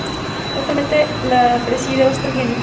Actualmente la preside Oscar Gentili.